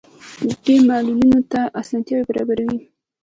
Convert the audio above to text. دوی معلولینو ته اسانتیاوې برابروي.